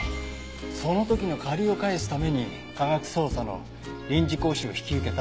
その時の借りを返すために科学捜査の臨時講習を引き受けたってわけですか。